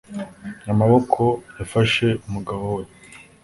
Amaboko yafashe umugabo we